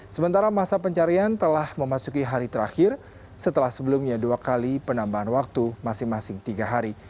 sementara masa pencarian telah memasuki hari terakhir setelah sebelumnya dua kali penambahan waktu masing masing tiga hari